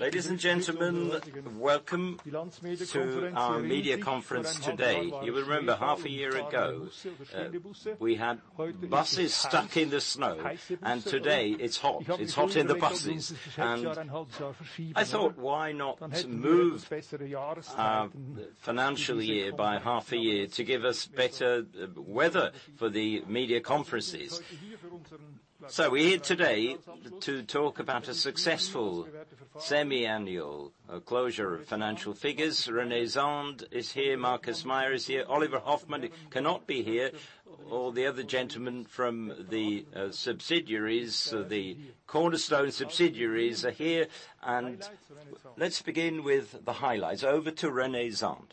Ladies and gentlemen, welcome to our media conference today. You remember half a year ago, we had buses stuck in the snow, today it's hot. It's hot in the buses. I thought, why not move our financial year by half a year to give us better weather for the media conferences. We're here today to talk about a successful semi-annual closure of financial figures. René Zahnd is here. Markus Meier is here. Oliver Hofmann cannot be here. All the other gentlemen from the subsidiaries, the Cornerstone subsidiaries are here. Let's begin with the highlights. Over to René Zahnd.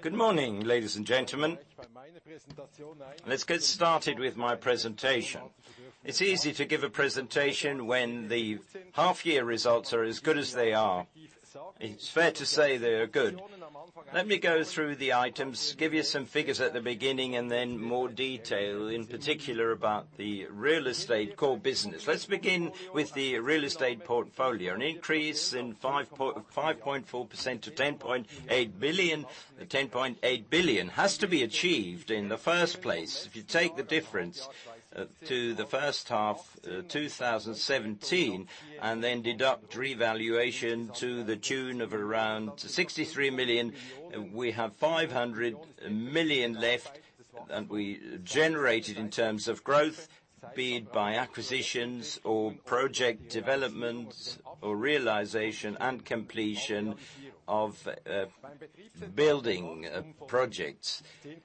Good morning, ladies and gentlemen. Let's get started with my presentation. It's easy to give a presentation when the half-year results are as good as they are. It's fair to say they are good. Let me go through the items, give you some figures at the beginning, then more detail, in particular about the real estate core business. Let's begin with the real estate portfolio. An increase in 5.4% to 10.8 billion. 10.8 billion has to be achieved in the first place. If you take the difference to the first half 2017, then deduct revaluation to the tune of around 63 million, we have 500 million left, we generated in terms of growth, be it by acquisitions or project development or realization and completion of building projects.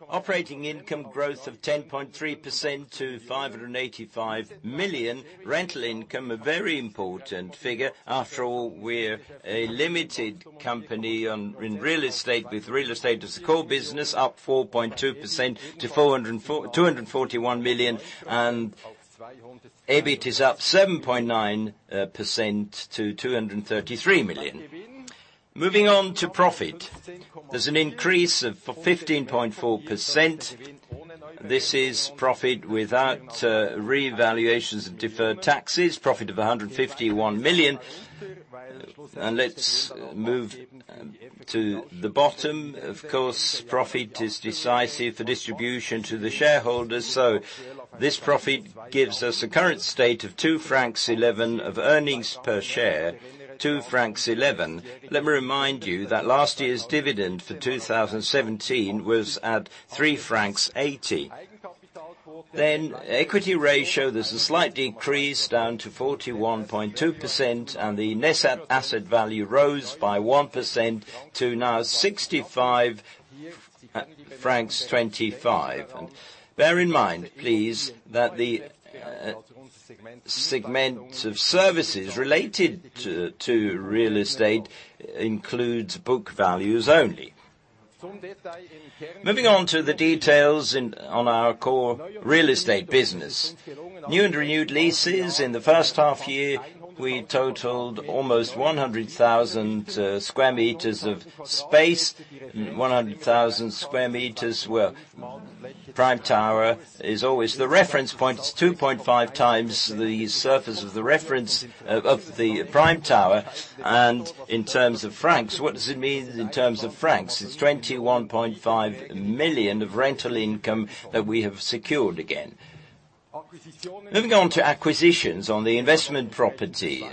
Operating income growth of 10.3% to 585 million. Rental income, a very important figure. After all, we're a limited company in real estate with real estate as a core business, up 4.2% to 241 million, EBIT is up 7.9% to 233 million. Moving on to profit. There's an increase of 15.4%. This is profit without revaluations of deferred taxes, profit of 151 million. Let's move to the bottom. Of course, profit is decisive for distribution to the shareholders. This profit gives us a current state of 2.11 francs of earnings per share, 2.11 francs. Let me remind you that last year's dividend for 2017 was at 3.80 francs. Equity ratio, there's a slight decrease down to 41.2%, the net asset value rose by 1% to now 65.25 francs. Bear in mind, please, that the segment of services related to real estate includes book values only. Moving on to the details on our core real estate business. New and renewed leases in the first half year, we totaled almost 100,000 sq m of space. 100,000 sq m. Well, Prime Tower is always the reference point. It's 2.5 times the surface of the Prime Tower, in terms of francs, what does it mean in terms of francs? It's 21.5 million of rental income that we have secured again. Moving on to acquisitions on the investment property,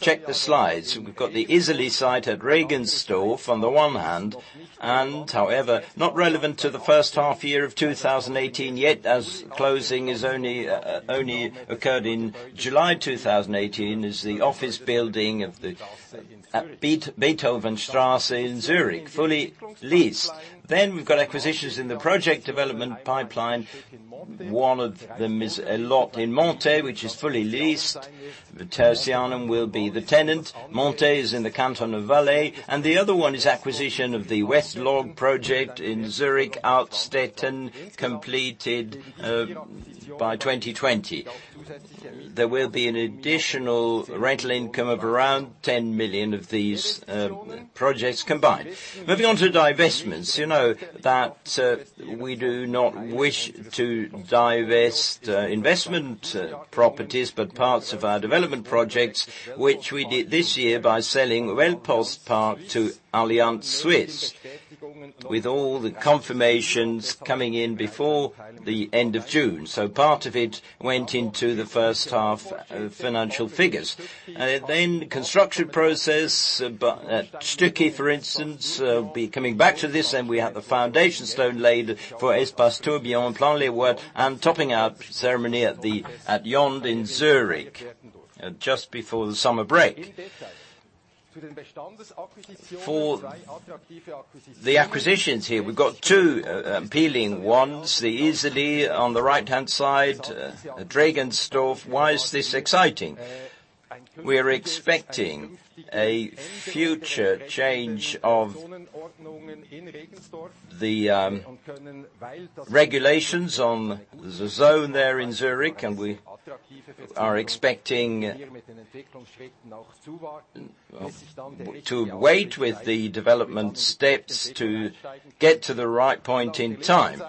check the slides. We've got the Iseli site at Regensdorf from the one hand, however, not relevant to the first half year of 2018 yet, as closing has only occurred in July 2018, is the office building at Beethovenstrasse in Zurich, fully leased. We've got acquisitions in the project development pipeline. One of them is a lot in Monthey, which is fully leased. The Tertianum will be the tenant. Monthey is in the canton of Valais. The other one is acquisition of the West-Log project in Zurich, Altstetten, completed by 2020. There will be an additional rental income of around 10 million of these projects combined. Moving on to divestments. You know that we do not wish to divest investment properties, but parts of our development projects, which we did this year by selling Weltpost Park to Allianz Suisse, with all the confirmations coming in before the end of June. Part of it went into the first half financial figures. Construction process at Stücki, for instance, we'll be coming back to this, and we have the foundation stone laid for Espace Tourbillon Plan-les-Ouates, and topping out ceremony at Yond in Zurich, just before the summer break. For the acquisitions here, we've got two appealing ones, the Iseli on the right-hand side, Regensdorf. Why is this exciting? We are expecting a future change of the regulations on the zone there in Zurich, and we are expecting to wait with the development steps to get to the right point in time.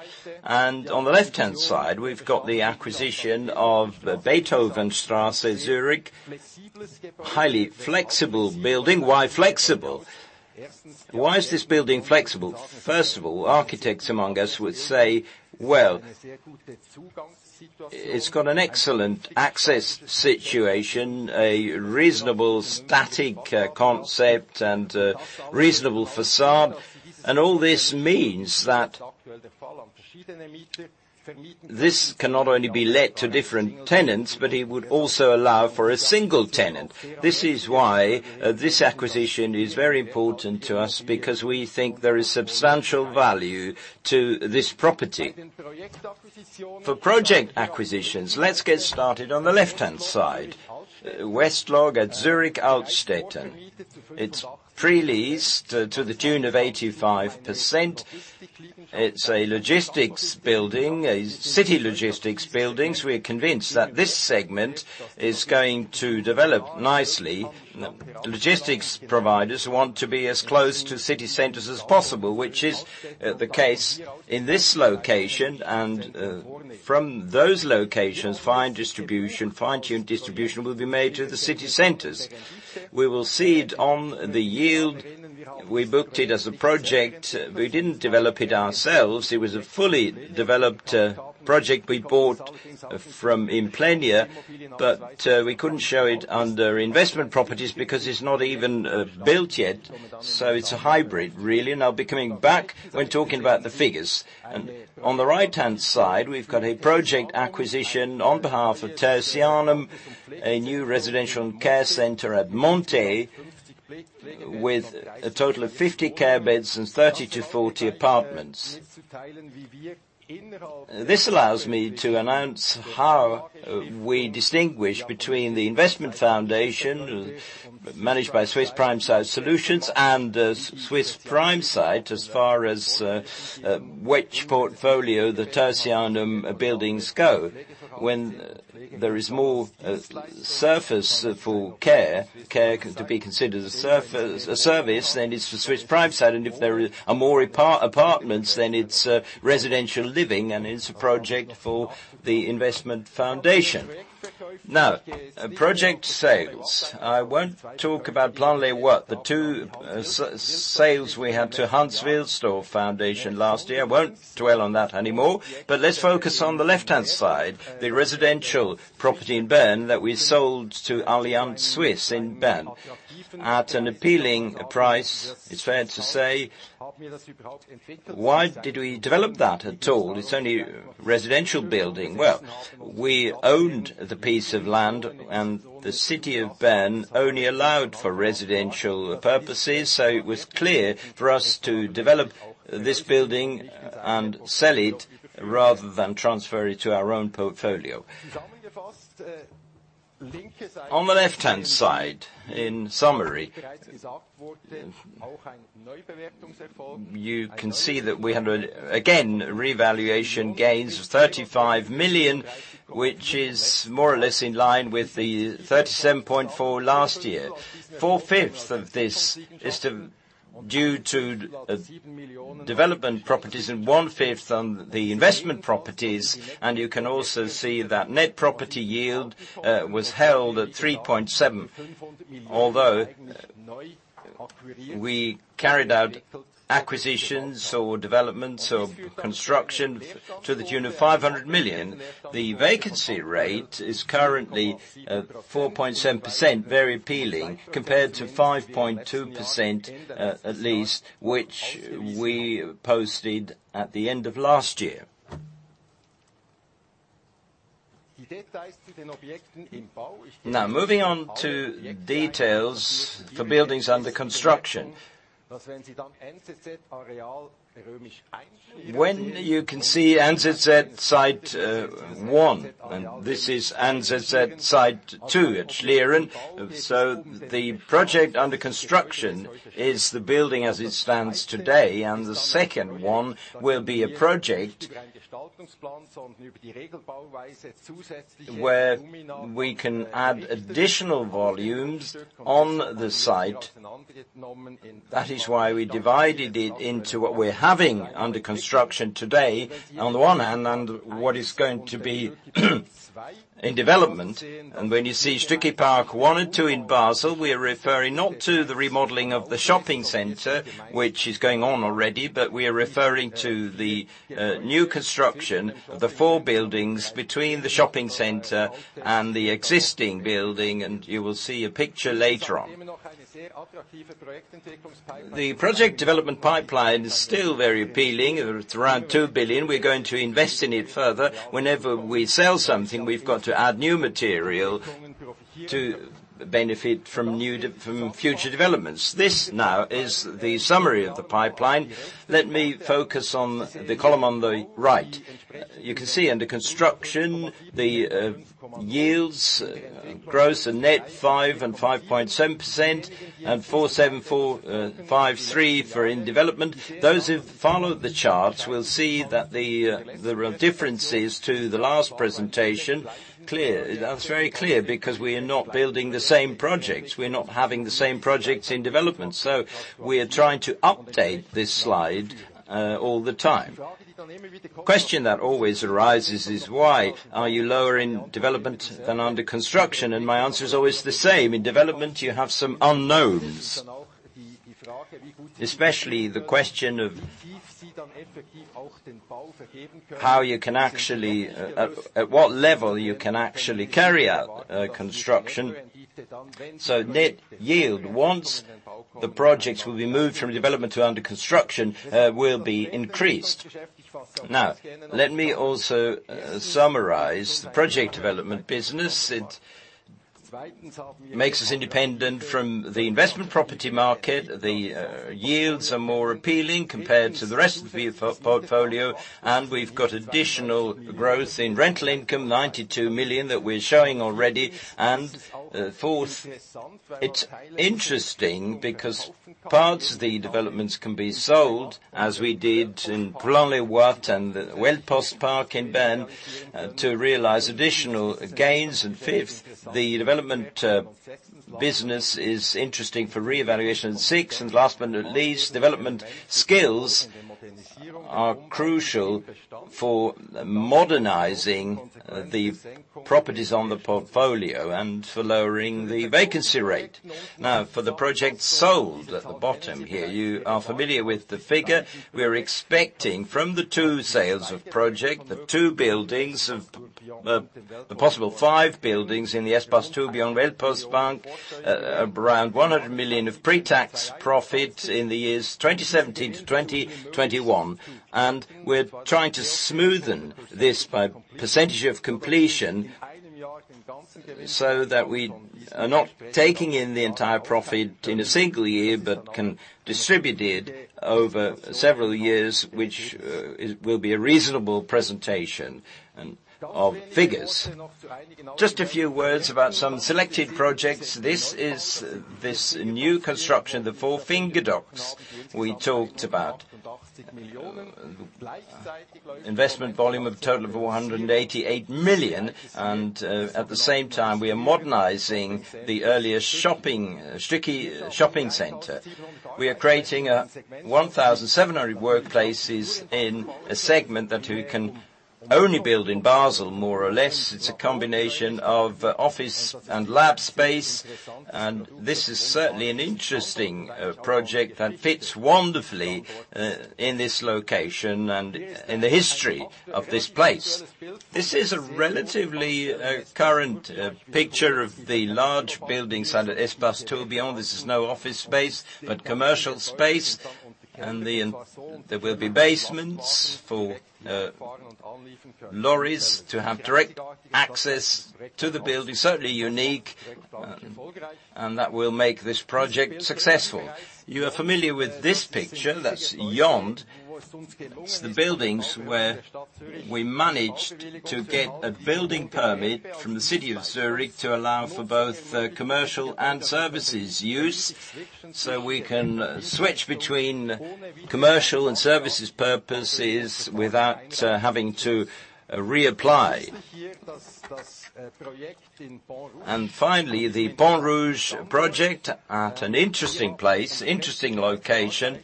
On the left-hand side, we've got the acquisition of the Beethoven-strasse, Zurich. Highly flexible building. Why flexible? Why is this building flexible? First of all, architects among us would say, "Well, it's got an excellent access situation, a reasonable static concept, and reasonable facade." All this means that this can not only be let to different tenants, but it would also allow for a single tenant. This is why this acquisition is very important to us, because we think there is substantial value to this property. For project acquisitions, let's get started on the left-hand side. West-Log at Zurich Altstetten. It's pre-leased to the tune of 85%. It's a logistics building, a city logistics building, we are convinced that this segment is going to develop nicely. Logistics providers want to be as close to city centers as possible, which is the case in this location. From those locations, fine-tune distribution will be made to the city centers. We will cede on the yield. We booked it as a project. We didn't develop it ourselves. It was a fully developed project we bought from Implenia, but we couldn't show it under investment properties because it's not even built yet. It's a hybrid, really. I'll be coming back when talking about the figures. On the right-hand side, we've got a project acquisition on behalf of Tertianum, a new residential care center at Monthey, with a total of 50 care beds and 30 to 40 apartments. This allows me to announce how we distinguish between the investment foundation, managed by Swiss Prime Site Solutions and the Swiss Prime Site as far as which portfolio the Tertianum buildings go. When there is more surface for care to be considered a service, then it's for Swiss Prime Site. If there are more apartments, then it's residential living, and it's a project for the investment foundation. Project sales. I won't talk about Plan-les-Ouates, the two sales we had to Hans Wilsdorf Foundation last year. I won't dwell on that anymore. Let's focus on the left-hand side, the residential property in Bern that we sold to Allianz Suisse in Bern at an appealing price, it's fair to say. Why did we develop that at all? It's only a residential building. We owned the piece of land, and the City of Bern only allowed for residential purposes, so it was clear for us to develop this building and sell it rather than transfer it to our own portfolio. On the left-hand side, in summary, you can see that we had, again, revaluation gains of 35 million, which is more or less in line with the 37.4 million last year. Four-fifths of this is due to development properties and one-fifth on the investment properties. You can also see that net property yield was held at 3.7%, although we carried out acquisitions or developments or construction to the tune of 500 million. The vacancy rate is currently 4.7%, very appealing compared to 5.2% at least, which we posted at the end of last year. Moving on to details for buildings under construction. You can see NZZ-Areal One, and this is NZZ-Areal Two at Schlieren. The project under construction is the building as it stands today, and the second one will be a project where we can add additional volumes on the site. That is why we divided it into what we're having under construction today on the one hand, and what is going to be in development. When you see Stücki Park one and two in Basel, we are referring not to the remodeling of the shopping center, which is going on already, but we are referring to the new construction of the four buildings between the shopping center and the existing building, and you will see a picture later on. The project development pipeline is still very appealing. It's around 2 billion. We're going to invest in it further. Whenever we sell something, we've got to add new material to benefit from future developments. This is the summary of the pipeline. Let me focus on the column on the right. You can see under construction, the yields, gross and net, 5% and 5.7%, and 4.7% and 4.53% for in development. Those who've followed the charts will see that the real differences to the last presentation, that's very clear because we are not building the same projects. We're not having the same projects in development. We are trying to update this slide all the time. Question that always arises is why are you lower in development than under construction? My answer is always the same. In development, you have some unknowns. Especially the question of how you can at what level you can actually carry out construction. Net yield, once the projects will be moved from development to under construction, will be increased. Let me also summarize the project development business. It makes us independent from the investment property market. The yields are more appealing compared to the rest of the portfolio, and we've got additional growth in rental income, 92 million, that we're showing already. Fourth, it's interesting because parts of the developments can be sold, as we did in Plan-les-Ouates and Weltpost Park in Bern, to realize additional gains. Fifth, the development business is interesting for reevaluation. Sixth, and last but not least, development skills are crucial for modernizing the properties on the portfolio and for lowering the vacancy rate. For the project sold at the bottom here, you are familiar with the figure. We are expecting from the two sales of project, the two buildings of the possible five buildings in the Espace Tourbillon Weltpost Park, around 100 million of pre-tax profit in the years 2017-2021. We're trying to smoothen this by percentage of completion so that we are not taking in the entire profit in a single year but can distribute it over several years, which will be a reasonable presentation of figures. Just a few words about some selected projects. This is this new construction, the Four Finger Docks we talked about. Investment volume of total of 188 million, and at the same time, we are modernizing the Stücki Shopping Center. We are creating 1,700 workplaces in a segment that we can only build in Basel, more or less. It's a combination of office and lab space. This is certainly an interesting project that fits wonderfully in this location and in the history of this place. This is a relatively current picture of the large building site at Espace Tourbillon. This is no office space, but commercial space. There will be basements for lorries to have direct access to the building. Certainly unique, and that will make this project successful. You are familiar with this picture, that's Yond. It's the buildings where we managed to get a building permit from the city of Zurich to allow for both commercial and services use. We can switch between commercial and services purposes without having to reapply. Finally, the Pont-Rouge project at an interesting place, interesting location.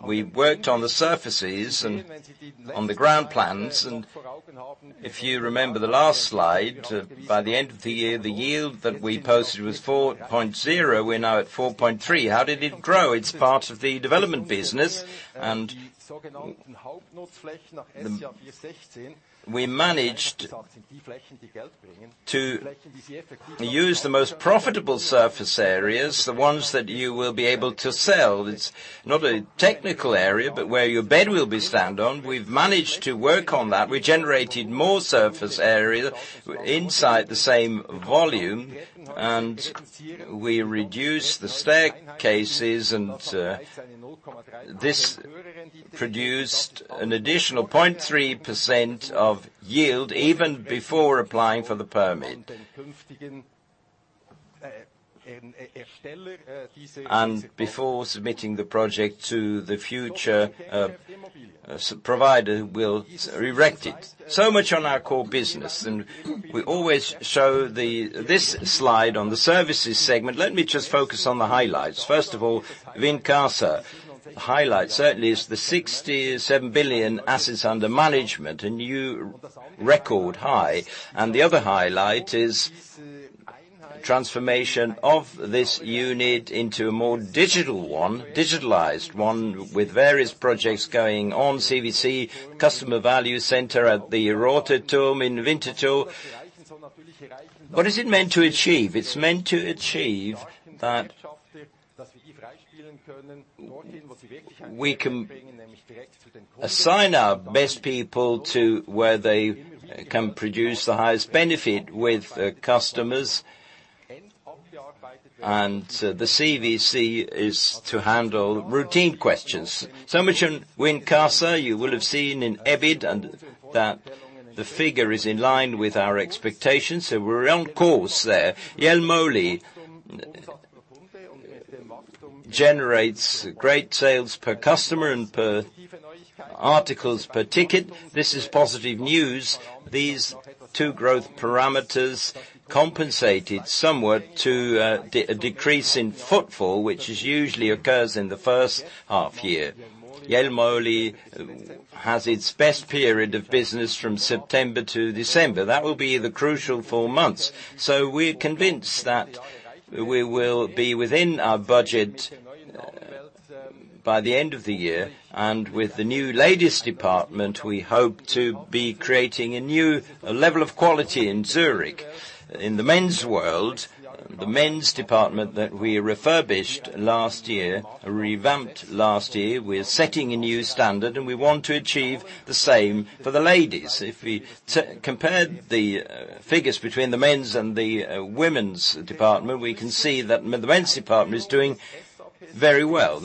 We worked on the surfaces and on the ground plans. If you remember the last slide, by the end of the year, the yield that we posted was 4.0%. We're now at 4.3%. How did it grow? It's part of the development business, and we managed to use the most profitable surface areas, the ones that you will be able to sell. It's not a technical area, but where your bed will be stand on. We've managed to work on that. We generated more surface area inside the same volume, and we reduced the staircases, and this produced an additional 0.3% of yield even before applying for the permit. Before submitting the project to the future provider will erect it. Much on our core business, and we always show this slide on the services segment. Let me just focus on the highlights. First of all, Wincasa, the highlight certainly is the 67 billion assets under management, a new record high. The other highlight is transformation of this unit into a more digital one, digitalized one with various projects going on CVC, Customer Value Center, at the Roter Turm in Winterthur. What is it meant to achieve? It's meant to achieve that we can assign our best people to where they can produce the highest benefit with customers. The CVC is to handle routine questions. Much on Wincasa. You will have seen in EBIT that the figure is in line with our expectations. We're on course there. Jelmoli generates great sales per customer and per articles per ticket. This is positive news. These two growth parameters compensated somewhat to a decrease in footfall, which usually occurs in the first half year. Jelmoli has its best period of business from September to December. That will be the crucial four months. We're convinced that we will be within our budget by the end of the year. With the new ladies department, we hope to be creating a new level of quality in Zurich. In the men's world, the men's department that we refurbished last year, revamped last year, we are setting a new standard, and we want to achieve the same for the ladies. If we compare the figures between the men's and the women's department, we can see that the men's department is doing very well.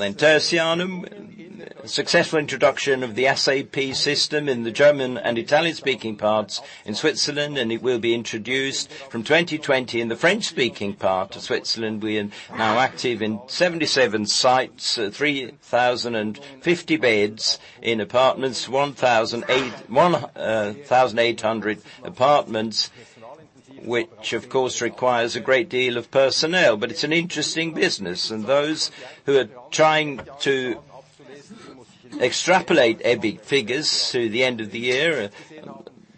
Tertianum, successful introduction of the SAP system in the German and Italian-speaking parts in Switzerland. It will be introduced from 2020 in the French-speaking part of Switzerland. We are now active in 77 sites, 3,050 beds in apartments, 1,800 apartments, which of course requires a great deal of personnel. It's an interesting business. Those who are trying to extrapolate EBIT figures through the end of the year,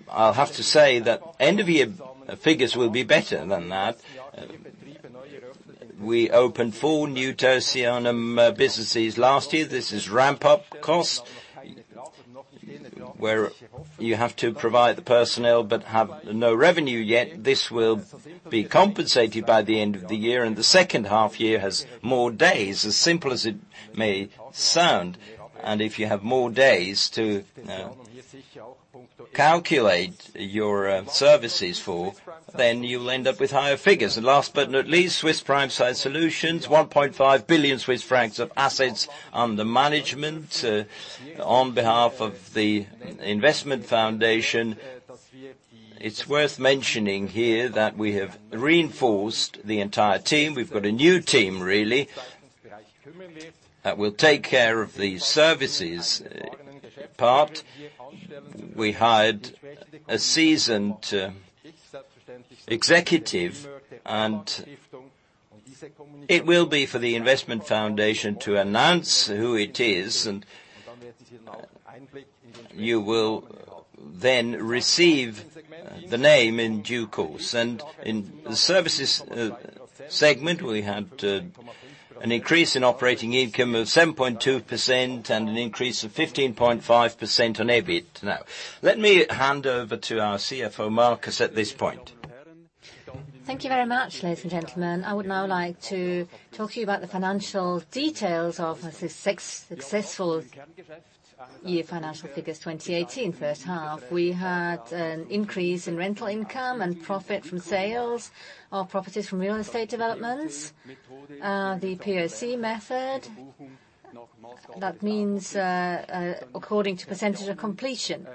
I'll have to say that end of year figures will be better than that. We opened four new Tertianum businesses last year. This is ramp-up cost, where you have to provide the personnel but have no revenue yet. This will be compensated by the end of the year, and the second half year has more days, as simple as it may sound. If you have more days to calculate your services for, you'll end up with higher figures. Last but not least, Swiss Prime Site Solutions, 1.5 billion Swiss francs of assets under management on behalf of the investment foundation. It's worth mentioning here that we have reinforced the entire team. We've got a new team, really, that will take care of the services part. We hired a seasoned executive. It will be for the investment foundation to announce who it is, and you will then receive the name in due course. In the services segment, we had an increase in operating income of 7.2% and an increase of 15.5% on EBIT. Let me hand over to our CFO, Markus, at this point. Thank you very much, ladies and gentlemen. I would now like to talk to you about the financial details of the successful year financial figures 2018 first half. We had an increase in rental income and profit from sales of properties from real estate developments. The POC method, that means according to percentage of completion.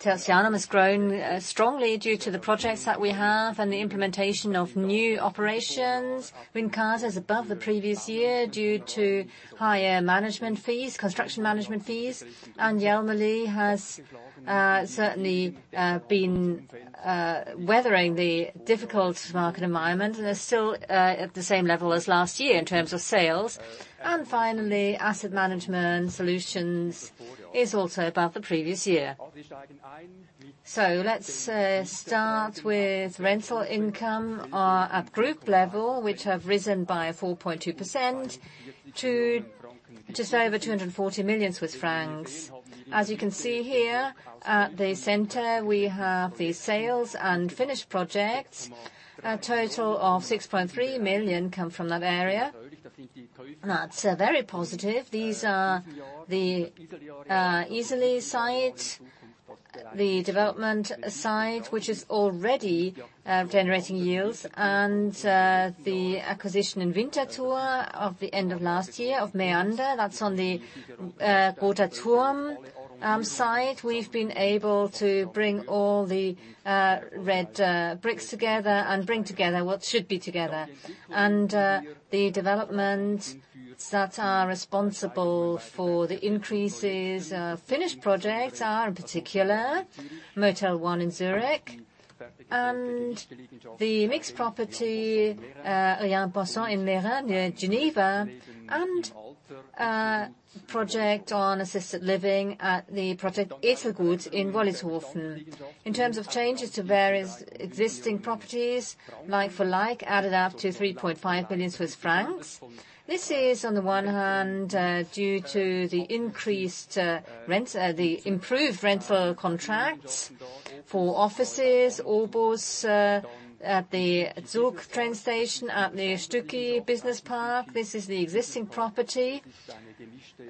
Tertianum has grown strongly due to the projects that we have and the implementation of new operations. Wincasa is above the previous year due to higher management fees, construction management fees. Jelmoli has certainly been weathering the difficult market environment and are still at the same level as last year in terms of sales. Finally, asset management solutions is also above the previous year. Let's start with rental income at group level, which have risen by 4.2% to just over 240 million Swiss francs. As you can see here, at the center, we have the sales and finished projects. A total of 6.3 million come from that area. That's very positive. These are the Iseli site, the development site, which is already generating yields, and the acquisition in Winterthur of the end of last year of Mäander. That's on the Roter Turm site. We've been able to bring all the red bricks together and bring together what should be together. The developments that are responsible for the increases of finished projects are in particular Motel One in Zurich and the mixed property in Meyrin, near Geneva, and a project on assisted living at the project Eselgut in Wollishofen. In terms of changes to various existing properties, like-for-like, added up to 3.5 million Swiss francs. This is, on the one hand, due to the improved rental contracts for offices, OBOS at the Zug train station at the Stücki Business Park. This is the existing property,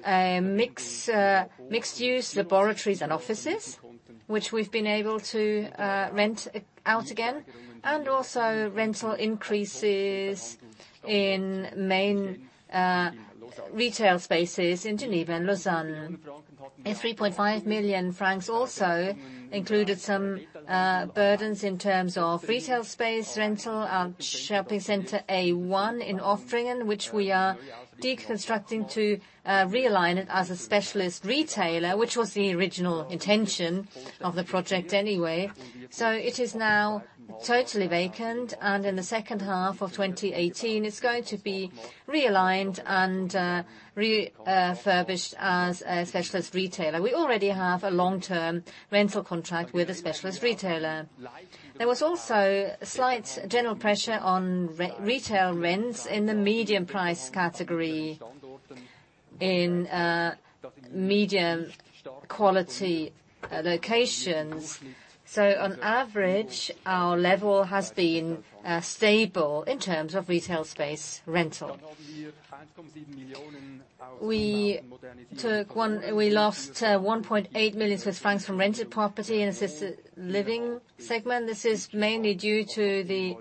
a mixed-use, laboratories and offices. Which we've been able to rent out again, and also rental increases in main retail spaces in Geneva and Lausanne. 3.5 million francs also included some burdens in terms of retail space rental at shopping center A1 in Oftringen, which we are deconstructing to realign it as a specialist retailer, which was the original intention of the project anyway. It is now totally vacant, and in the second half of 2018, it's going to be realigned and refurbished as a specialist retailer. We already have a long-term rental contract with a specialist retailer. There was also slight general pressure on retail rents in the medium price category in medium quality locations. On average, our level has been stable in terms of retail space rental. We lost 1.8 million Swiss francs from rented property in assisted living segment. This is mainly due to the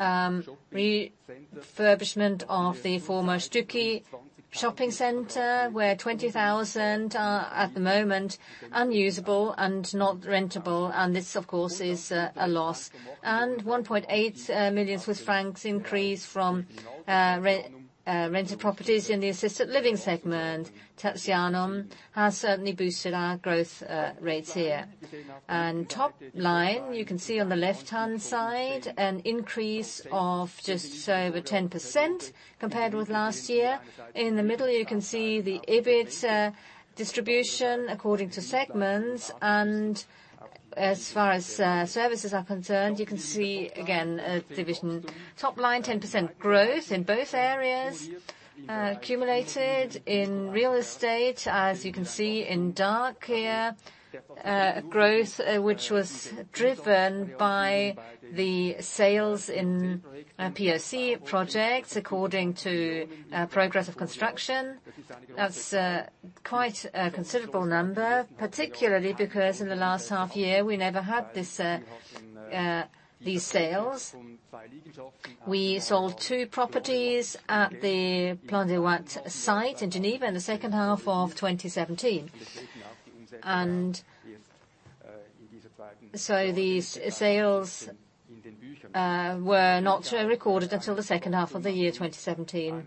refurbishment of the former Stücki Shopping Center, where 20,000 are at the moment unusable and not rentable. This, of course, is a loss. 1.8 million Swiss francs increase from rented properties in the assisted living segment. Tertianum has certainly boosted our growth rates here. Top line, you can see on the left-hand side an increase of just over 10% compared with last year. In the middle, you can see the EBIT distribution according to segments. As far as services are concerned, you can see again, a division. Top line, 10% growth in both areas, accumulated in real estate, as you can see in dark here, growth which was driven by the sales in POC projects according to progress of construction. That's quite a considerable number, particularly because in the last half year, we never had these sales. We sold two properties at the Plan-les-Ouates site in Geneva in the second half of 2017. These sales were not recorded until the second half of 2017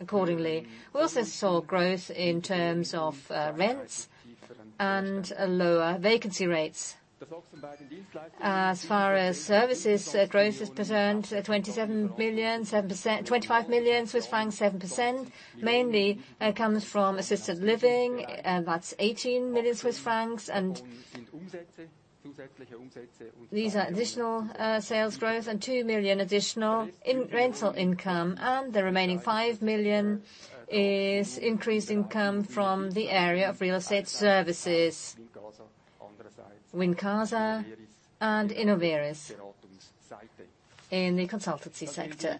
accordingly. We also saw growth in terms of rents and lower vacancy rates. As far as services growth is concerned, 25 million Swiss francs, 7%, mainly comes from assisted living. That's 18 million Swiss francs. These are additional sales growth and 2 million additional in rental income. The remaining 5 million is increased income from the area of real estate services, Wincasa and Innovaris in the consultancy sector.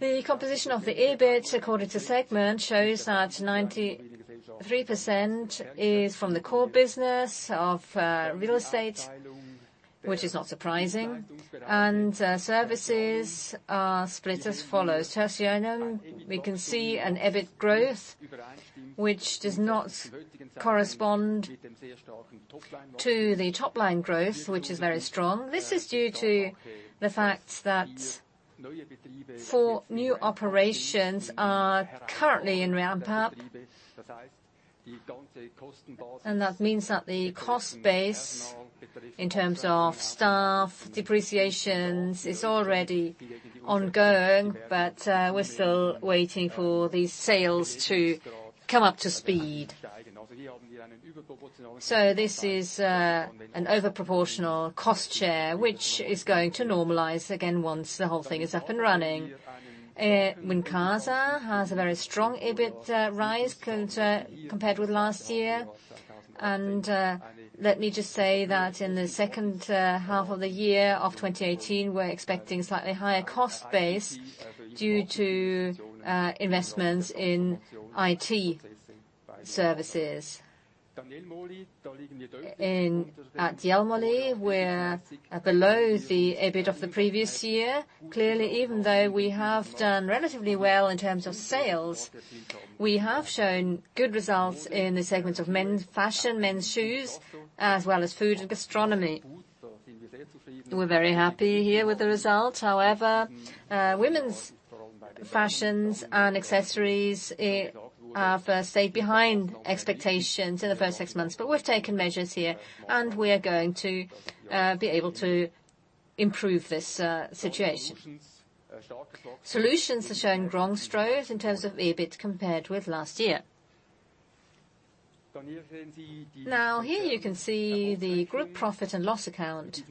The composition of the EBIT according to segment shows that 93% is from the core business of real estate, which is not surprising, and services are split as follows. Tertianum, we can see an EBIT growth which does not correspond to the top-line growth, which is very strong. This is due to the fact that four new operations are currently in ramp up. That means that the cost base in terms of staff, depreciations, is already ongoing, but we're still waiting for these sales to come up to speed. This is an overproportional cost share, which is going to normalize again once the whole thing is up and running. Wincasa has a very strong EBIT rise compared with last year. Let me just say that in the second half of the year of 2018, we're expecting slightly higher cost base due to investments in IT services. At Jelmoli, we're below the EBIT of the previous year. Clearly, even though we have done relatively well in terms of sales, we have shown good results in the segment of men's fashion, men's shoes, as well as food and gastronomy. We're very happy here with the result. However, women's fashions and accessories have stayed behind expectations in the first six months. We've taken measures here, and we are going to be able to improve this situation. Solutions are showing strong growth in terms of EBIT compared with last year. Here you can see the group profit and loss account.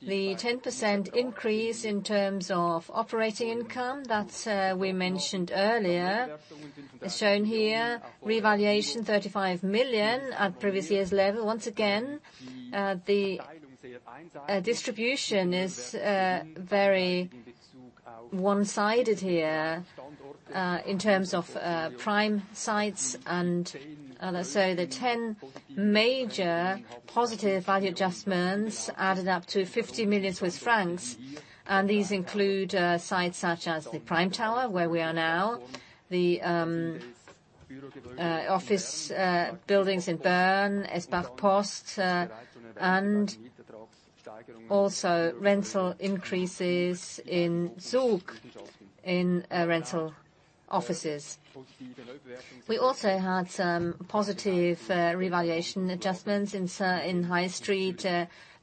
The 10% increase in terms of operating income that we mentioned earlier is shown here. Revaluation, 35 million at previous year's level. Once again, the distribution is very one-sided here in terms of prime sites. The 10 major positive value adjustments added up to 50 million Swiss francs. These include sites such as the Prime Tower, where we are now. The office buildings in Bern, Espace Post, and also rental increases in Zug in rental offices. We also had some positive revaluation adjustments in high street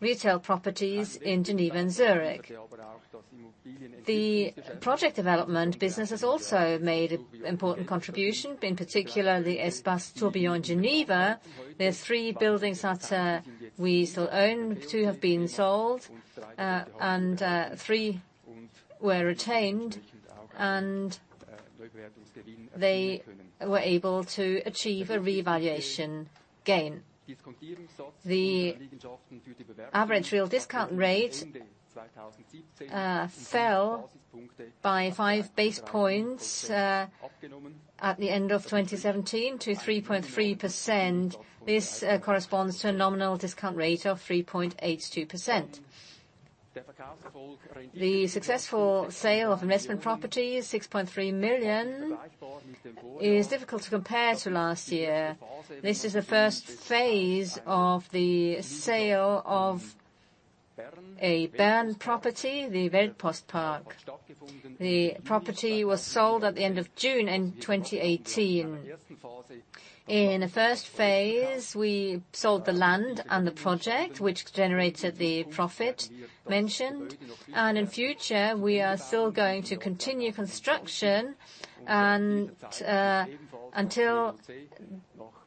retail properties in Geneva and Zurich. The project development business has also made an important contribution, in particular, the Espace Tourbillon Geneva. There are three buildings that we still own. Two have been sold, and three were retained, and they were able to achieve a revaluation gain. The average real discount rate fell by five base points at the end of 2017 to 3.3%. This corresponds to a nominal discount rate of 3.82%. The successful sale of investment property is 6.3 million. It is difficult to compare to last year. This is the first phase of the sale of a Bern property, the Weltpost Park. The property was sold at the end of June in 2018. In the first phase, we sold the land and the project, which generated the profit mentioned. In future, we are still going to continue construction. Until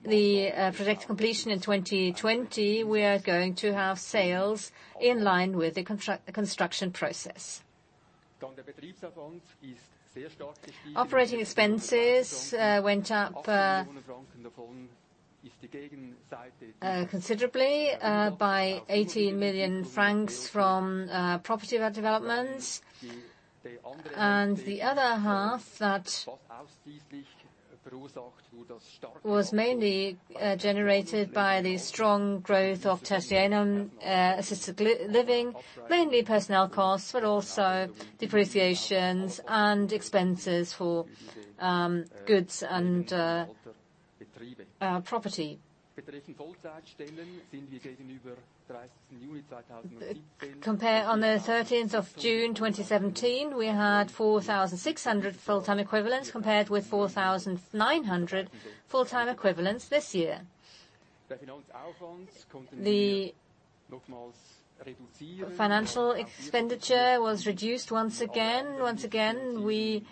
the project completion in 2020, we are going to have sales in line with the construction process. Operating expenses went up considerably by 80 million francs from property value developments. The other half that was mainly generated by the strong growth of Tertianum Assisted Living, mainly personnel costs, but also depreciations and expenses for goods and property. Compare on the 13th of June 2017, we had 4,600 full-time equivalents compared with 4,900 full-time equivalents this year. The financial expenditure was reduced once again. We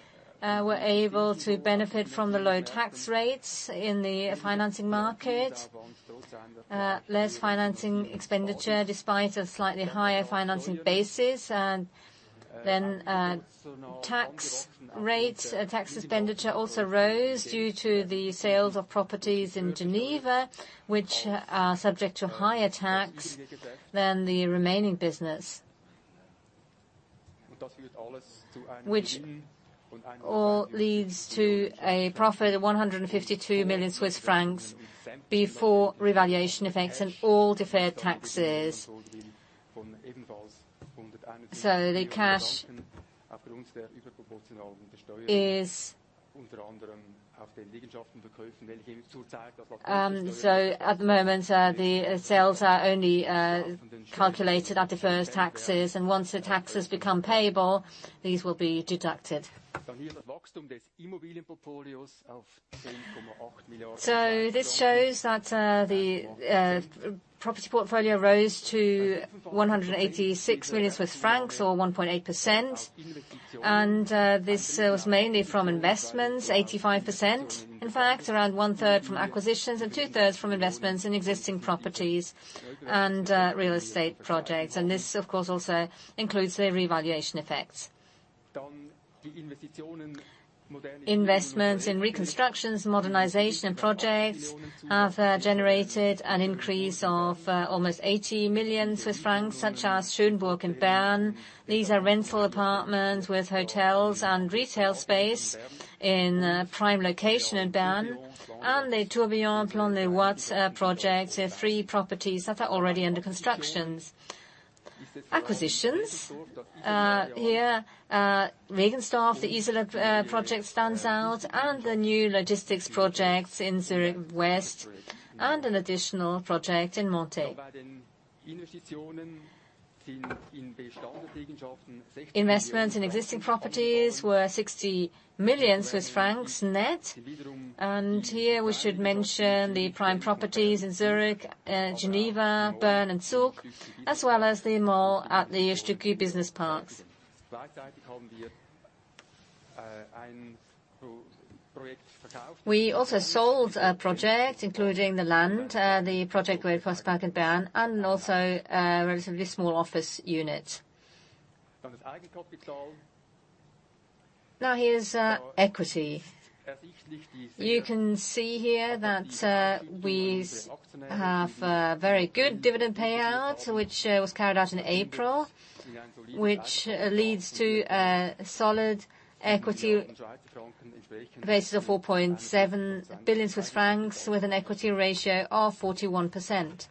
were able to benefit from the low tax rates in the financing market. Less financing expenditure despite a slightly higher financing basis. Tax rate, tax expenditure also rose due to the sales of properties in Geneva, which are subject to higher tax than the remaining business. A profit of 152 million Swiss francs before revaluation effects and all deferred taxes. At the moment, the sales are only calculated at deferred taxes, and once the taxes become payable, these will be deducted. This shows that the property portfolio rose to 186 million Swiss francs or 1.8%, and this was mainly from investments, 85%. In fact, around one-third from acquisitions and two-thirds from investments in existing properties and real estate projects. This of course, also includes the revaluation effects. Investments in reconstructions, modernization, and projects have generated an increase of almost 80 million Swiss francs, such as Schönburg in Bern. These are rental apartments with hotels and retail space in a prime location in Bern. The Tourbillon Plan-les-Ouates project are three properties that are already under construction. Acquisitions. Here, Regensdorf, the Iseli project stands out and the new logistics project in Zurich West, and an additional project in Monthey. Investments in existing properties were 60 million Swiss francs net. Here we should mention the prime properties in Zurich, Geneva, Bern, and Zug, as well as the mall at the Stücki Business Park. We also sold a project, including the land, the project Weltpost Park in Bern, and also a relatively small office unit. Here's equity. You can see here that we have a very good dividend payout, which was carried out in April, which leads to a solid equity basis of 4.7 billion Swiss francs, with an equity ratio of 41%.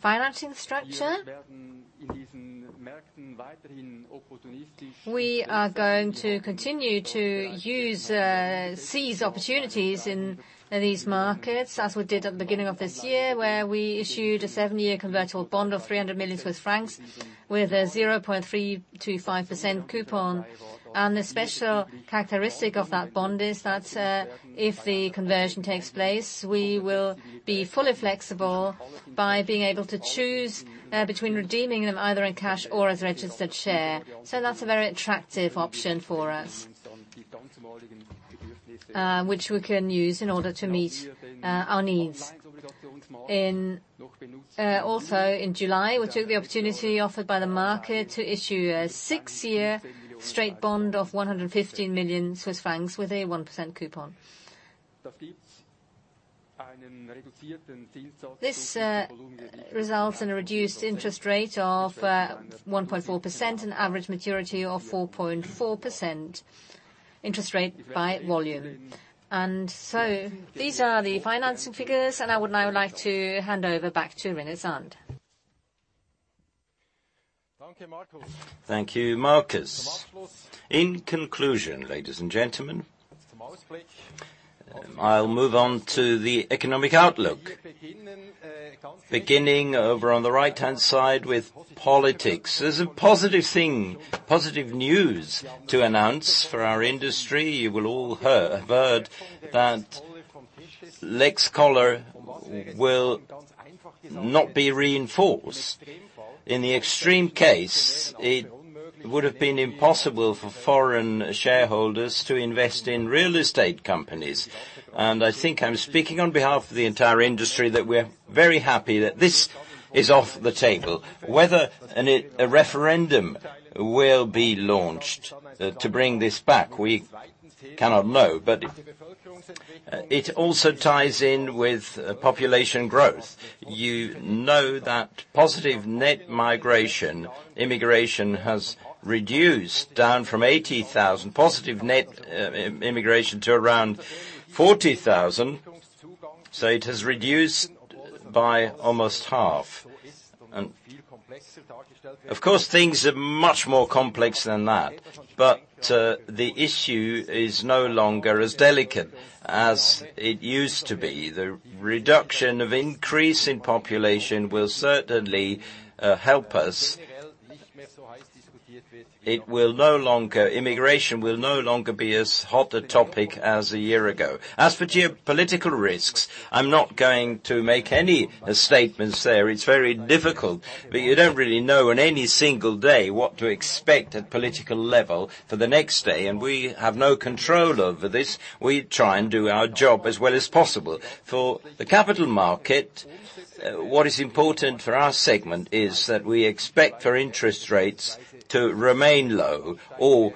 Financing structure, we are going to continue to seize opportunities in these markets, as we did at the beginning of this year, where we issued a seven-year convertible bond of 300 million Swiss francs with a 0.325% coupon. The special characteristic of that bond is that if the conversion takes place, we will be fully flexible by being able to choose between redeeming them either in cash or as a registered share. That's a very attractive option for us, which we can use in order to meet our needs. In July, we took the opportunity offered by the market to issue a six-year straight bond of 115 million Swiss francs with a 1% coupon. This results in a reduced interest rate of 1.4% and average maturity of 4.4% interest rate by volume. These are the financing figures, and I would now like to hand over back to René Zahnd. Thank you, Markus. In conclusion, ladies and gentlemen, I'll move on to the economic outlook. Beginning over on the right-hand side with politics. There's a positive thing, positive news to announce for our industry. You will all have heard that Lex Koller will not be reinforced. In the extreme case, it would've been impossible for foreign shareholders to invest in real estate companies. I think I'm speaking on behalf of the entire industry that we're very happy that this is off the table. Whether a referendum will be launched to bring this back, we cannot know. It also ties in with population growth. You know that positive net migration, immigration has reduced down from 80,000 positive net immigration to around 40,000. It has reduced by almost half. Of course, things are much more complex than that, but the issue is no longer as delicate as it used to be. The reduction of increase in population will certainly help us. Immigration will no longer be as hot a topic as a year ago. As for geopolitical risks, I'm not going to make any statements there. It's very difficult, but you don't really know on any single day what to expect at political level for the next day, and we have no control over this. We try and do our job as well as possible. For the capital market, what is important for our segment is that we expect for interest rates to remain low or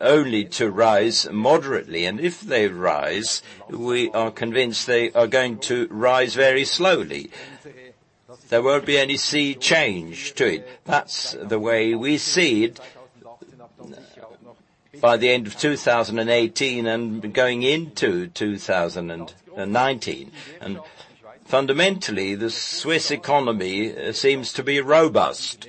only to rise moderately. If they rise, we are convinced they are going to rise very slowly. There won't be any sea change to it. That's the way we see it by the end of 2018 and going into 2019. Fundamentally, the Swiss economy seems to be robust,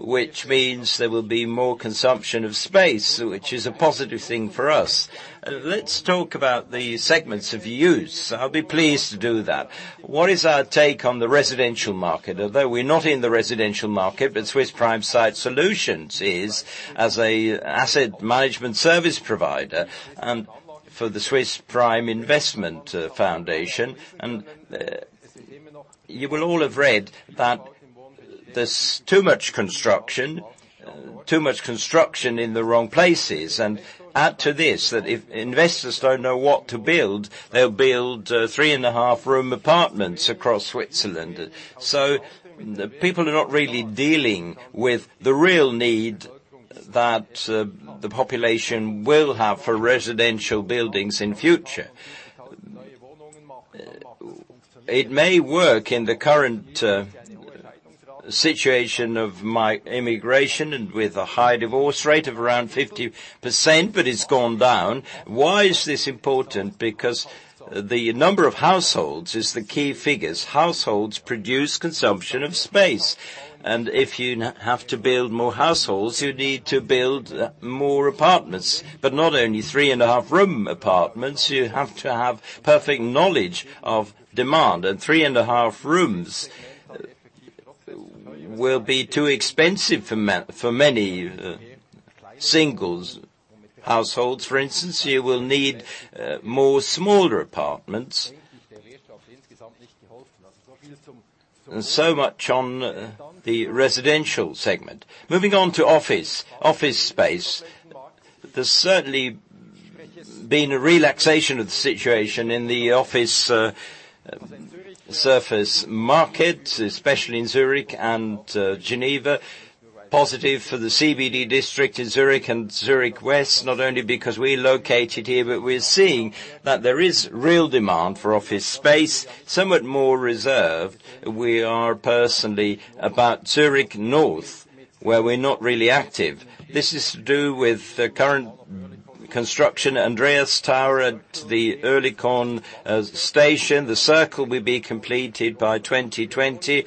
which means there will be more consumption of space, which is a positive thing for us. Let's talk about the segments of use. I'll be pleased to do that. What is our take on the residential market? Although we're not in the residential market, but Swiss Prime Site Solutions is, as an asset management service provider and for the Swiss Prime Investment Foundation. You will all have read that there's too much construction in the wrong places. Add to this, that if investors don't know what to build, they'll build three-and-a-half room apartments across Switzerland. People are not really dealing with the real need that the population will have for residential buildings in future. It may work in the current situation of immigration and with a high divorce rate of around 50%, but it's gone down. Why is this important? Because the number of households is the key figures. Households produce consumption of space. If you have to build more households, you need to build more apartments. Not only three-and-a-half room apartments, you have to have perfect knowledge of demand. Three-and-a-half rooms will be too expensive for many singles households, for instance. You will need more smaller apartments. Much on the residential segment. Moving on to office space. There's certainly been a relaxation of the situation in the office surface market, especially in Zurich and Geneva. Positive for the CBD district in Zurich and Zurich West, not only because we're located here, but we're seeing that there is real demand for office space. Somewhat more reserved, we are personally about Zurich North, where we're not really active. This is to do with the current construction, Andreasturm at the Oerlikon station. The circle will be completed by 2020.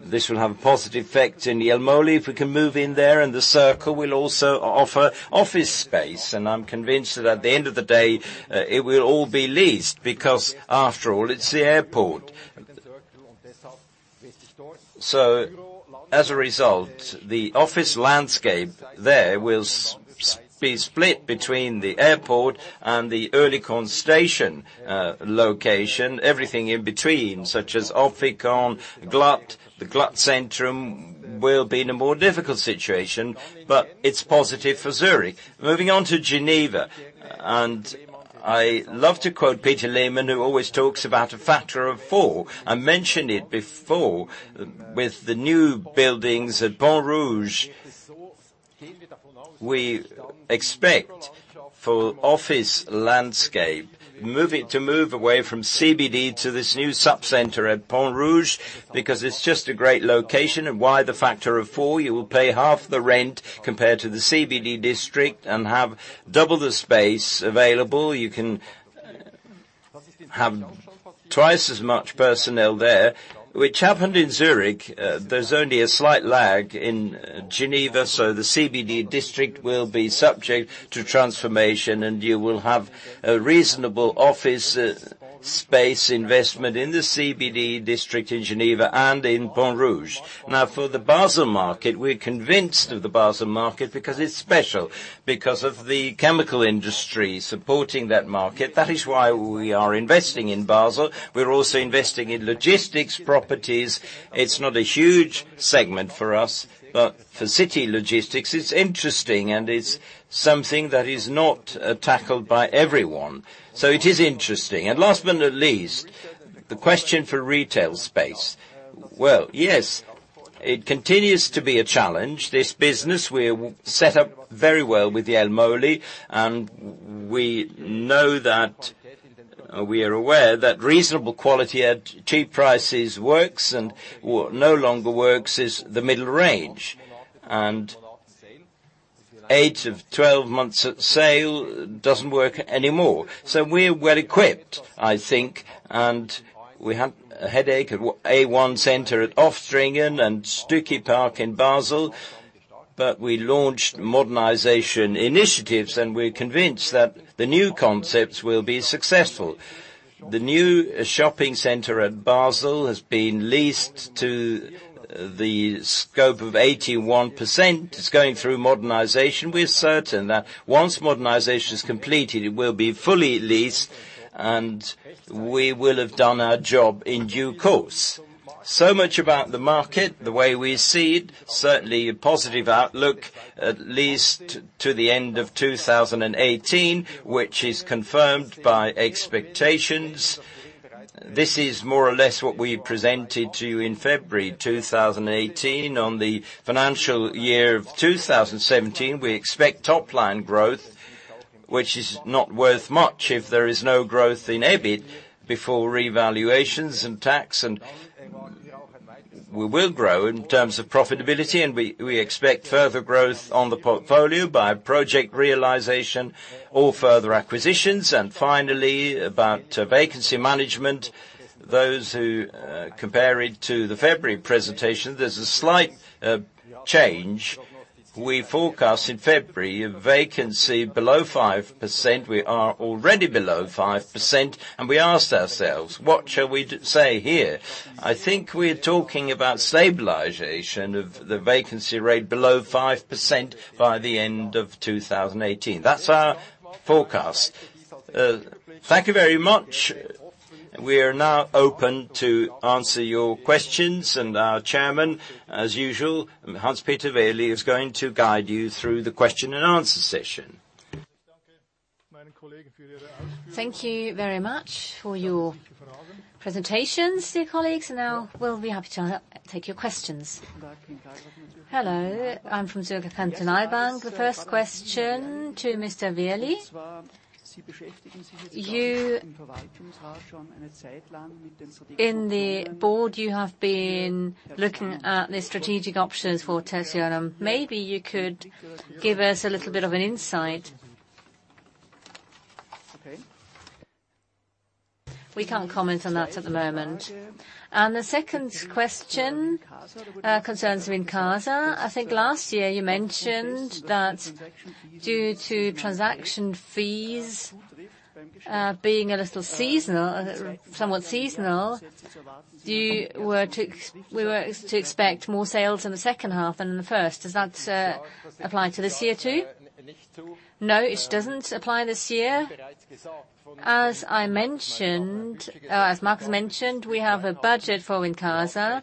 This will have a positive effect in Jelmoli, if we can move in there, and the circle will also offer office space. I'm convinced that at the end of the day, it will all be leased, because after all, it's the airport. As a result, the office landscape there will be split between the airport and the Oerlikon station location. Everything in between, such as Oerlikon, Glatt, the Glattzentrum, will be in a more difficult situation, but it's positive for Zurich. Moving on to Geneva, I love to quote Peter Lehmann, who always talks about a factor of four. I mentioned it before with the new buildings at Pont-Rouge. We expect for office landscape, to move away from CBD to this new sub-center at Pont-Rouge, because it's just a great location. Why the factor of four? You will pay half the rent compared to the CBD district and have double the space available. You can have twice as much personnel there, which happened in Zurich. There's only a slight lag in Geneva, the CBD district will be subject to transformation and you will have a reasonable office space investment in the CBD district in Geneva and in Pont-Rouge. For the Basel market, we're convinced of the Basel market because it's special because of the chemical industry supporting that market. That is why we are investing in Basel. We're also investing in logistics properties. It's not a huge segment for us, for city logistics, it's interesting and it's something that is not tackled by everyone. It is interesting. Last but not least, the question for retail space. Yes, it continues to be a challenge. This business we're set up very well with Jelmoli, we are aware that reasonable quality at cheap prices works, and what no longer works is the middle range. Eight of 12 months at sale doesn't work anymore. We're well equipped, I think, and we had a headache at A1 Center at Oftringen and Stücki Park in Basel. We launched modernization initiatives, and we're convinced that the new concepts will be successful. The new shopping center at Basel has been leased to the scope of 81%. It's going through modernization. We're certain that once modernization is completed, it will be fully leased, and we will have done our job in due course. Much about the market, the way we see it, certainly a positive outlook, at least to the end of 2018, which is confirmed by expectations. This is more or less what we presented to you in February 2018. On the financial year of 2017, we expect top line growth, which is not worth much if there is no growth in EBIT before revaluations and tax. We will grow in terms of profitability, and we expect further growth on the portfolio by project realization or further acquisitions. Finally, about vacancy management. Those who compare it to the February presentation, there's a slight change. We forecast in February a vacancy below 5%. We are already below 5%, and we asked ourselves, "What shall we say here?" I think we're talking about stabilization of the vacancy rate below 5% by the end of 2018. That's our forecast. Thank you very much. We are now open to answer your questions and our Chairman, as usual, Hans-Peter Wehrli, is going to guide you through the question and answer session. Thank you very much for your presentations, dear colleagues. We'll be happy to take your questions. Hello, I'm from Zürcher Kantonalbank. The first question to Mr. Wehrli. In the board, you have been looking at the strategic options for Tertianum. Maybe you could give us a little bit of an insight. We can't comment on that at the moment. The second question concerns Wincasa. Last year you mentioned that due to transaction fees being a little seasonal, somewhat seasonal, we were to expect more sales in the second half than in the first. Does that apply to this year, too? It doesn't apply this year. As I mentioned, or as Markus mentioned, we have a budget for Wincasa,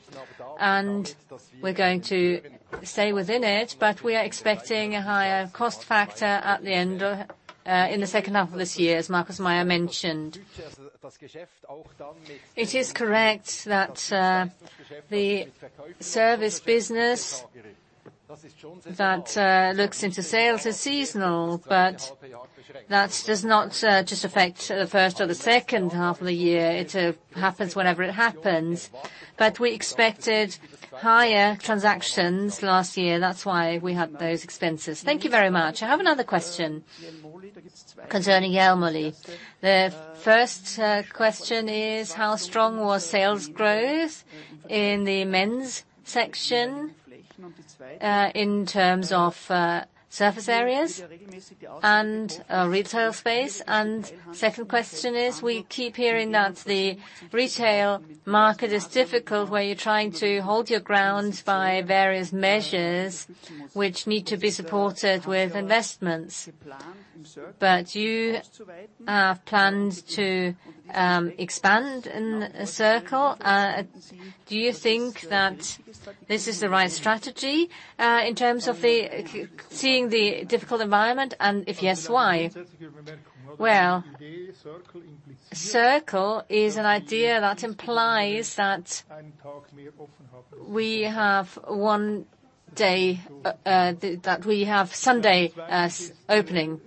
and we're going to stay within it, but we are expecting a higher cost factor at the end, in the second half of this year, as Markus Meier mentioned. It is correct that the service business that looks into sales is seasonal, but that does not just affect the first or the second half of the year. It happens whenever it happens. We expected higher transactions last year. That's why we had those expenses. Thank you very much. I have another question concerning Jelmoli. The first question is, how strong was sales growth in the men's section in terms of surface areas and retail space? Second question is, we keep hearing that the retail market is difficult, where you're trying to hold your ground by various measures which need to be supported with investments. You have plans to expand in Circle. Do you think that this is the right strategy in terms of seeing the difficult environment? If yes, why? Circle is an idea that implies that we have one day that we have Sunday as opening.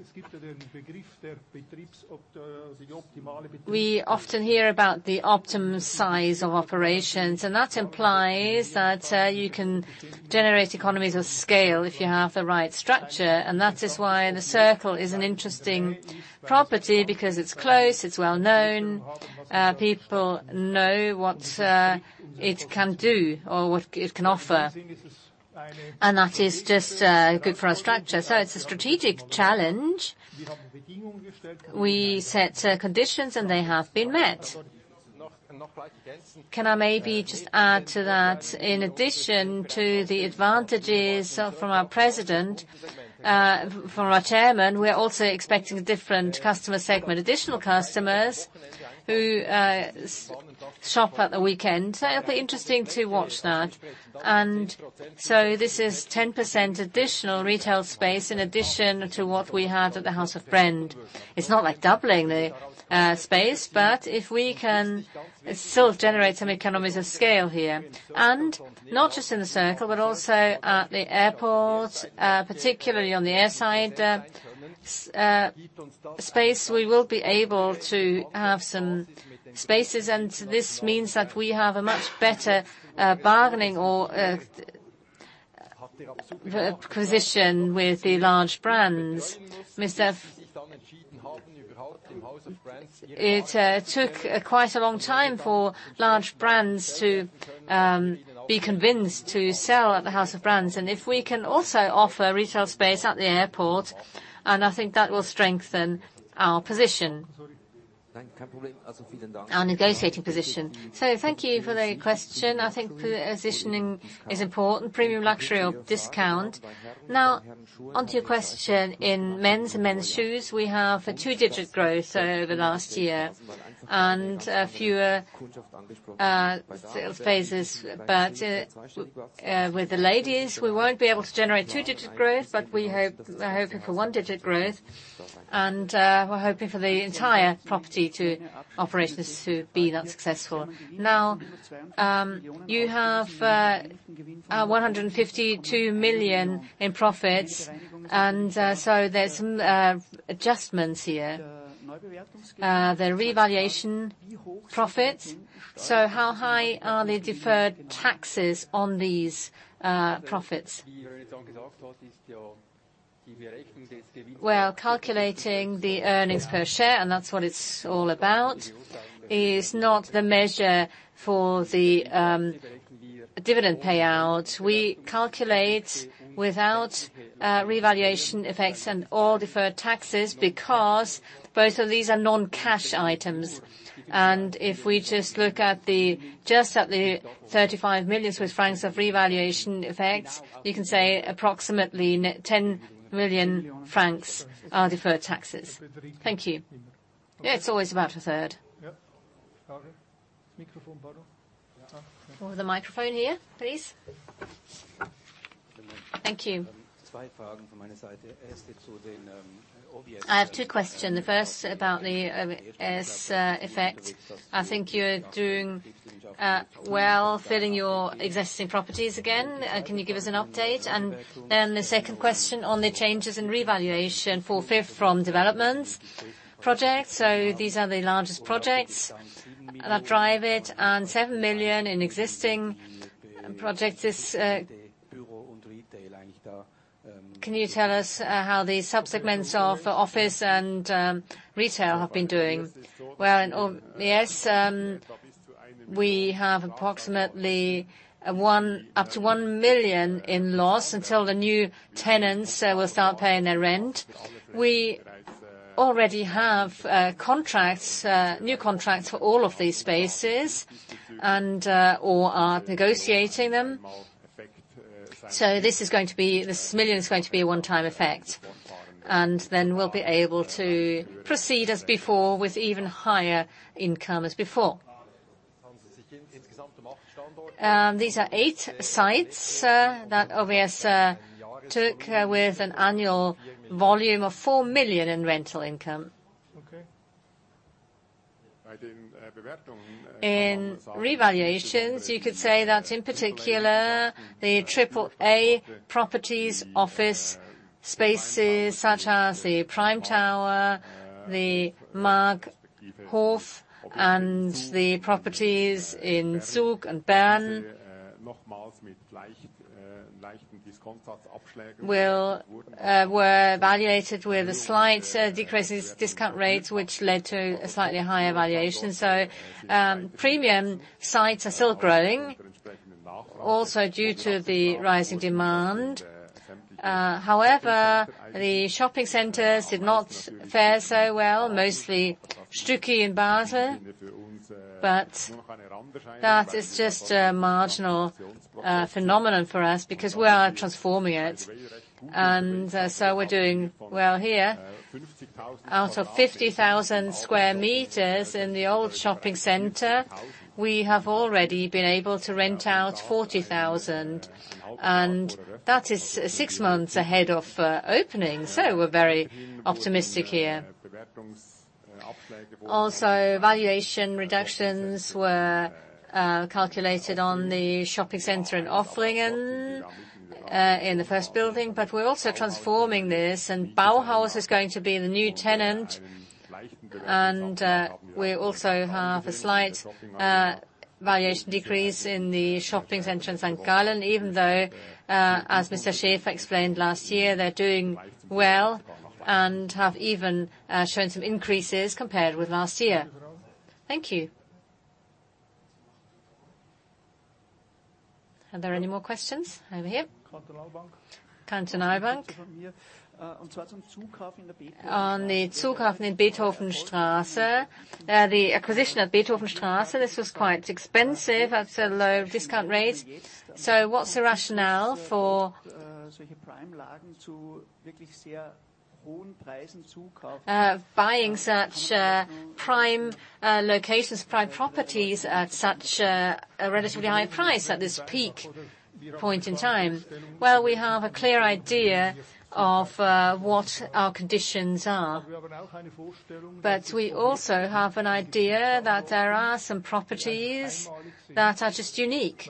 We often hear about the optimum size of operations, and that implies that you can generate economies of scale if you have the right structure. That is why the Circle is an interesting property, because it's close, it's well-known. People know what it can do or what it can offer. That is just good for our structure. It's a strategic challenge. We set conditions, and they have been met. Can I maybe just add to that, in addition to the advantages from our president, from our Chairman, we're also expecting different customer segment, additional customers who shop at the weekend. It'll be interesting to watch that. This is 10% additional retail space in addition to what we had at the House of Brands. It's not like doubling the space, if we can still generate some economies of scale here, not just in the Circle, but also at the airport, particularly on the airside space, we will be able to have some spaces. This means that we have a much better bargaining or position with the large brands. It took quite a long time for large brands to be convinced to sell at the House of Brands. If we can also offer retail space at the airport, I think that will strengthen our position, our negotiating position. Thank you for the question. I think positioning is important, premium luxury or discount. Onto your question. In men's and men's shoes, we have a two-digit growth over the last year and fewer sales spaces. With the ladies, we won't be able to generate two-digit growth, but we're hoping for one-digit growth. We're hoping for the entire property operations to be that successful. You have 152 million in profits, there's some adjustments here. The reevaluation profit. How high are the deferred taxes on these profits? Calculating the earnings per share, that's what it's all about, is not the measure for the dividend payout. We calculate without reevaluation effects and all deferred taxes because both of these are non-cash items. If we just look at the 35 million Swiss francs of reevaluation effects, you can say approximately 10 million francs are deferred taxes. Thank you. Yeah, it's always about a third. Yep. Okay. Microphone borrow. The microphone here, please. Thank you. I have two question. The first about the OVS effect. I think you're doing well filling your existing properties again. Can you give us an update? The second question on the changes in reevaluation for [fifth] from development projects. These are the largest projects that drive it, 7 million in existing projects. Can you tell us how the subsegments of office and retail have been doing? Yes. We have approximately up to 1 million in loss until the new tenants will start paying their rent. We already have new contracts for all of these spaces and, or are negotiating them. This 1 million is going to be a one-time effect. We'll be able to proceed as before with even higher income as before. These are 8 sites that OVS took with an annual volume of 4 million in rental income. Okay. In revaluations, you could say that in particular, the triple A properties office spaces such as the Prime Tower, the Maaghof, and the properties in Zug and Bern were valuated with a slight decrease in discount rates, which led to a slightly higher valuation. Premium sites are still growing, also due to the rising demand. However, the shopping centers did not fare so well, mostly Stücki in Basel, that is just a marginal phenomenon for us because we are transforming it. We're doing well here. Out of 50,000 sq m in the old shopping center, we have already been able to rent out 40,000, that is 6 months ahead of opening. We're very optimistic here. Valuation reductions were calculated on the shopping center in Oftringen in the first building. We're also transforming this, and Bauhaus is going to be the new tenant. We also have a slight valuation decrease in the shopping center in St. Gallen, even though, as Mr. Schäfer explained last year, they're doing well and have even shown some increases compared with last year. Thank you. Are there any more questions? Over here. Cantonal Bank. Cantonal Bank. On the Zukauf in Beethoven-Straße. The acquisition at Beethoven-Straße, this was quite expensive at low discount rates. What's the rationale for buying such prime locations, prime properties at such a relatively high price at this peak point in time? We have a clear idea of what our conditions are. We also have an idea that there are some properties that are just unique.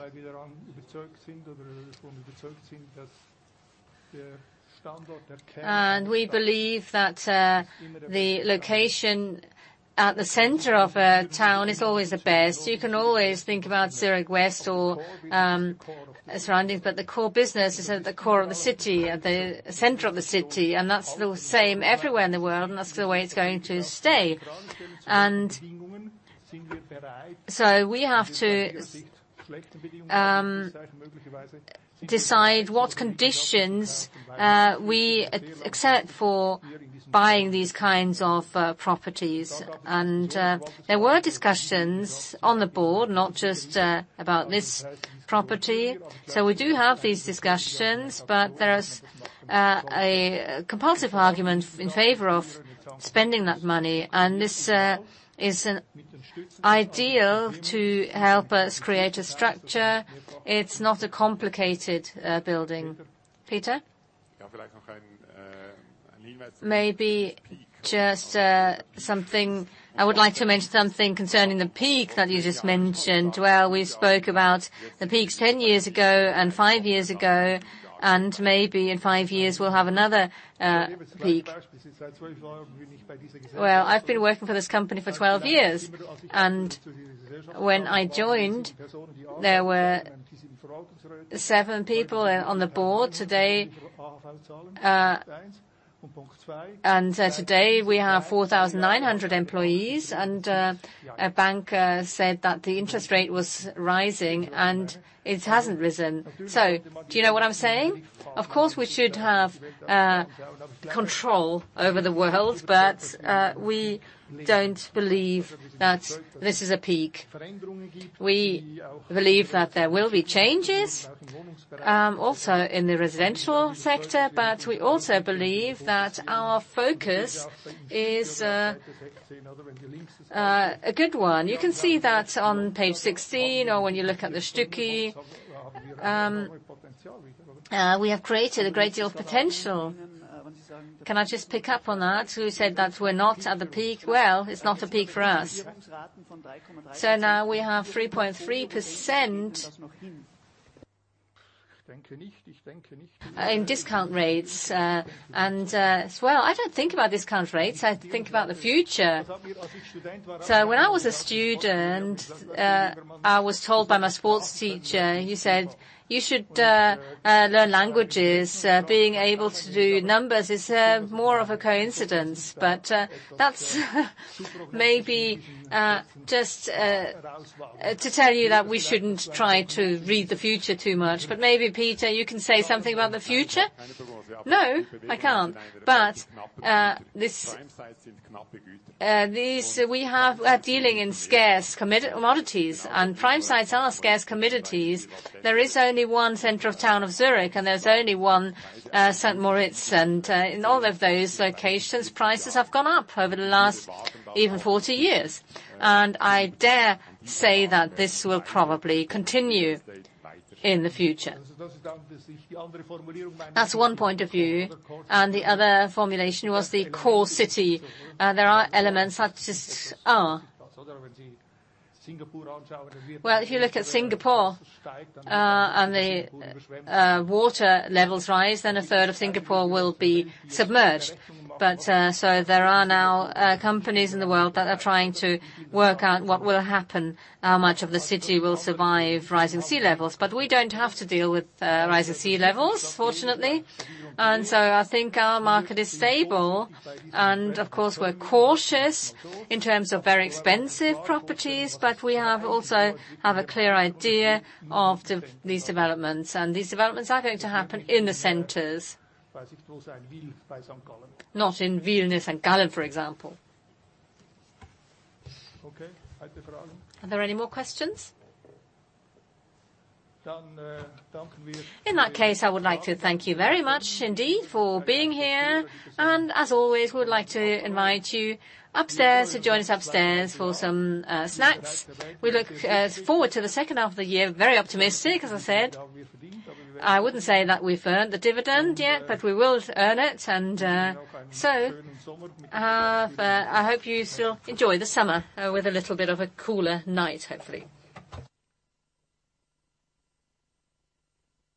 We believe that the location at the center of a town is always the best. You can always think about Zurich West or the surroundings, but the core business is at the core of the city, at the center of the city, and that's the same everywhere in the world, and that's the way it's going to stay. We have to decide what conditions we accept for buying these kinds of properties. There were discussions on the board, not just about this property. We do have these discussions, but there is a compulsive argument in favor of spending that money, and this is ideal to help us create a structure. It's not a complicated building. Peter? I would like to mention something concerning the peak that you just mentioned. We spoke about the peaks 10 years ago and five years ago, and maybe in five years we'll have another peak. I've been working for this company for 12 years, and when I joined, there were seven people on the board. Today, we have 4,900 employees, and a banker said that the interest rate was rising, and it hasn't risen. Do you know what I'm saying? Of course, we should have control over the world, but we don't believe that this is a peak. We believe that there will be changes also in the residential sector, but we also believe that our focus is a good one. You can see that on page 16 or when you look at the Stücki. We have created a great deal of potential. Can I just pick up on that? You said that we're not at the peak. It's not a peak for us. Now we have 3.3% in discount rates. As well, I don't think about discount rates. I think about the future. When I was a student, I was told by my sports teacher, he said, "You should learn languages. Being able to do numbers is more of a coincidence." That's maybe just to tell you that we shouldn't try to read the future too much. Maybe, Peter, you can say something about the future? No, I can't. We are dealing in scarce commodities, and prime sites are scarce commodities. There is only one center of town of Zurich, and there's only one St. Moritz. In all of those locations, prices have gone up over the last even 40 years. I dare say that this will probably continue in the future. That's one point of view. The other formulation was the core city. There are elements that just are. If you look at Singapore, and the water levels rise, then a third of Singapore will be submerged. There are now companies in the world that are trying to work out what will happen, how much of the city will survive rising sea levels. We don't have to deal with rising sea levels, fortunately. I think our market is stable. Of course, we're cautious in terms of very expensive properties, but we have also have a clear idea of these developments. These developments are going to happen in the centers, not in St. Gallen, for example. Okay. Are there any more questions? In that case, I would like to thank you very much indeed for being here. As always, we would like to invite you upstairs to join us upstairs for some snacks. We look forward to the second half of the year, very optimistic, as I said. I wouldn't say that we've earned the dividend yet, but we will earn it. I hope you still enjoy the summer with a little bit of a cooler night, hopefully.